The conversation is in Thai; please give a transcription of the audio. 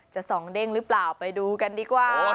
สองเด้งหรือเปล่าไปดูกันดีกว่า